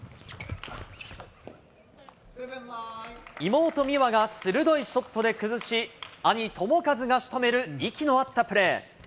妹、美和が鋭いショットで崩し、兄、智和がしとめる息の合ったプレー。